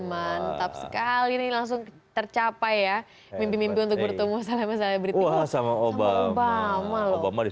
mantap sekali ini langsung tercapai ya mimpi mimpi untuk bertemu selama selama berhenti sama obama obama